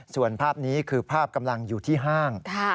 ส่วนภาพนี้คือภาพกำลังอยู่ที่ห้าง